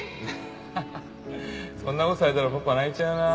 アハハそんな事されたらパパ泣いちゃうな。